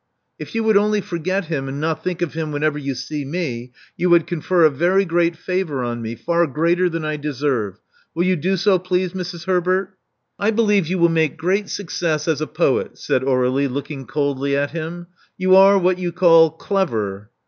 If you would only forget him, and not think of him whenever you see me, you would confer a very great favor on me — far greater than I deserve. Will you do so, i)lease, Mrs. Herbert?" '* I believe you will make great success as a poet, *' said Aur6lie, looking coldly at him. You are — what you call clever.